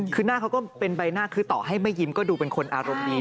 คือหน้าเขาก็เป็นใบหน้าคือต่อให้ไม่ยิ้มก็ดูเป็นคนอารมณ์ดี